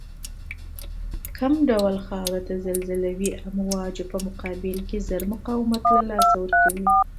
کوم ډول خاوره د زلزلوي امواجو په مقابل کې زر مقاومت له لاسه ورکوی